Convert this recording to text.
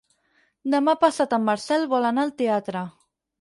Demà passat en Marcel vol anar al teatre.